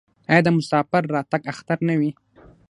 آیا د مسافر راتګ اختر نه وي؟